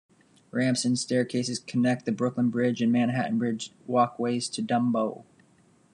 Ramps and staircases connect the Brooklyn Bridge and Manhattan Bridge walkways to Dumbo.